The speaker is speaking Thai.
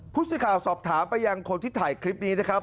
ผู้สื่อข่าวสอบถามไปยังคนที่ถ่ายคลิปนี้นะครับ